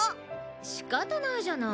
仕方ないじゃない。